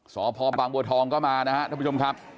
สพบางบัวทองก็มานะครับท่านผู้ชมครับ